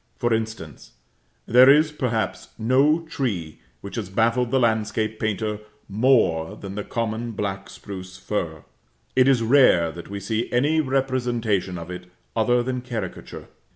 For instance: there is, perhaps, no tree which has baffled the landscape painter more than the common black spruce fir. It is rare that we see any representation of it other than caricature.